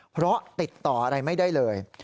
เพราะติดต่ออะไรไม่ได้เลย